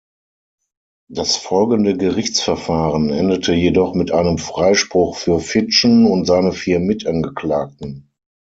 Das folgende Gerichtsverfahren endete jedoch mit einem Freispruch für Fitschen und seine vier Mitangeklagten.